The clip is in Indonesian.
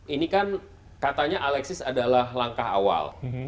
ini kan katanya alexis adalah langkah awal